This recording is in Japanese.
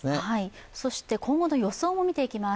そして今後の予想も見ていきます。